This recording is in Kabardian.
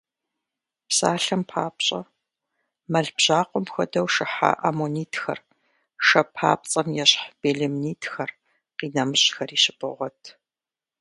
Псалъэм папщӀэ, мэл бжьакъуэм хуэдэу шыхьа аммонитхэр, шэ папцӀэм ещхь белемнитхэр, къинэмыщӀхэри щыбогъуэт.